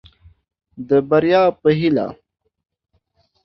د بريا په هيله.